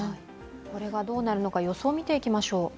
これがどうなるのか予想を見ていきましょう。